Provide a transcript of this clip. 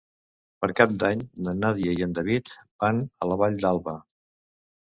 Per Cap d'Any na Nàdia i en David van a la Vall d'Alba.